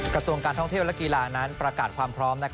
กระทรวงการท่องเที่ยวและกีฬานั้นประกาศความพร้อม